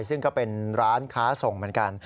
ซึ่งก็เป็นร้านค้าส่งเหมือนกัน